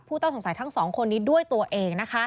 ต้องสงสัยทั้งสองคนนี้ด้วยตัวเอง